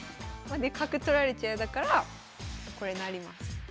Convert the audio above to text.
角取られちゃやだからこれ成ります。